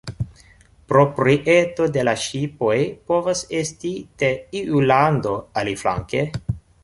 Proprieto de la ŝipoj povas esti de iu lando, aliflanke.